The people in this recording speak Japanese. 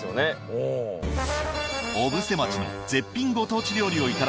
うん小布施町の絶品ご当地料理をいただき